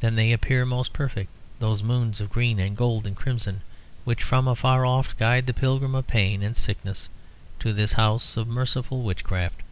Then they appear most perfect, those moons of green and gold and crimson, which from afar oft guide the pilgrim of pain and sickness to this house of merciful witchcraft."